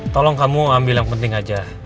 tolong kamu ambil yang penting aja